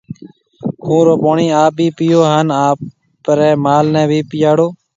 کُوه رو پوڻِي آپ ڀِي پئيو هانَ آپرياَ مال ڀِي پئياڙو۔